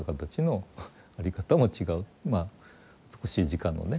まあ美しい時間のね